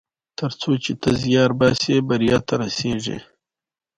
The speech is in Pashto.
د میرمنو کار د اقتصادي خپلواکۍ سبب ګرځي.